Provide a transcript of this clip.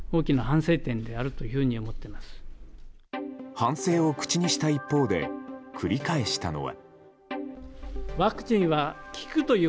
反省を口にした一方で繰り返したのは。